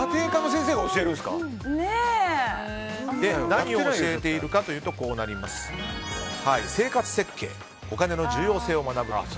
何を教えているかというと生活設計、お金の重要性を学ぶ。